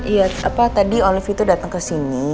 iya apa tadi olivia itu datang kesini